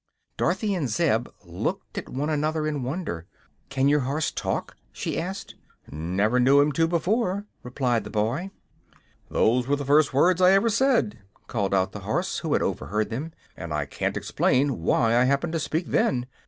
Dorothy and Zeb looked at one another in wonder. "Can your horse talk?" she asked. "Never knew him to, before," replied the boy. "Those were the first words I ever said," called out the horse, who had overheard them, "and I can't explain why I happened to speak then.